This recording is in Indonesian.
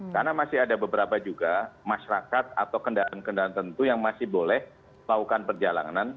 karena masih ada beberapa juga masyarakat atau kendaraan kendaraan tentu yang masih boleh melakukan perjalanan